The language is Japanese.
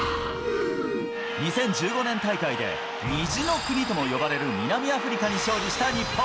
２０１５年大会で虹の国と呼ばれる南アフリカに勝利した日本。